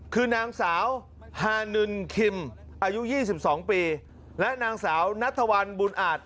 คือนางสาวฮานุนคิมอายุยี่สิบสองปีและนางสาวนัทวันบุญอาจ